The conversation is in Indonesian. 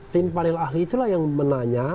tim panel ahli itulah yang menanya